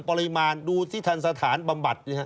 มาดูที่ทันสถานบำบัด